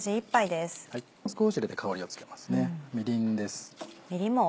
少し入れて香りをつけますねみりんです。